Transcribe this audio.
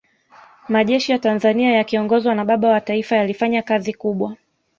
majeshi ya tanzania yakiongozwa na baba wa taifa yalifanya kazi kubwa